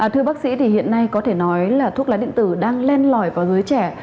thưa bác sĩ thì hiện nay có thể nói là thuốc lá điện tử đang len lỏi vào giới trẻ